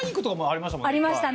ありましたね。